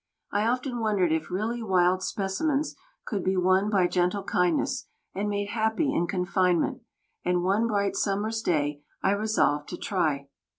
I often wondered if really wild specimens could be won by gentle kindness and made happy in confinement, and one bright summer's day I resolved to try.